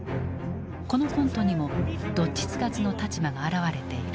このコントにもどっちつかずの立場が表れている。